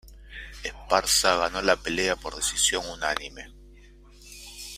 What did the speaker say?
Esparza ganó la pelea por decisión unánime.